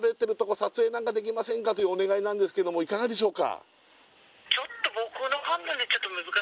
撮影なんかできませんかというお願いなんですけどもいかがでしょうか？